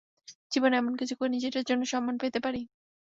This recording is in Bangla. জীবনে এমন কিছু করিনি যেটার জন্য সম্মান পেতে পারি।